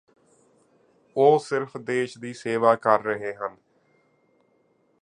ਉਹ ਸਿਰਫ ਦੇਸ਼ ਦੀ ਸੇਵਾ ਕਰ ਰਹੇ ਹਨ